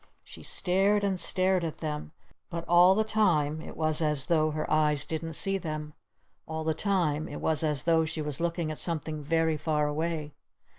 She stared and stared at them. But all the time it was as though her eyes didn't see them. All the time it was as though she was looking at something very far away.